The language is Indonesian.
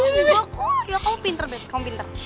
ya kamu pinter bebe kamu pinter